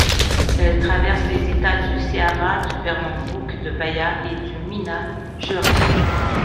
Elle traverse les États du Ceará, du Pernambouc, de Bahia et du Minas Gerais.